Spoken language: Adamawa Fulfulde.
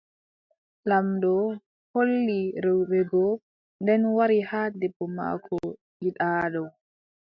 Laamɗo hooli rewɓe go, nden wari haa debbo maako giɗaaɗo.